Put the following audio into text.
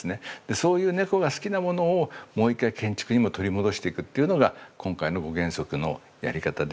そういう猫が好きなものをもう一回建築にも取り戻していくというのが今回の５原則のやり方で。